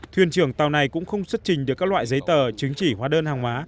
thuyền trưởng tàu này cũng không xuất trình được các loại giấy tờ chứng chỉ hóa đơn hàng hóa